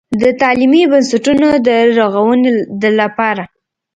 د تعليمي بنسټونو د رغونې دپاره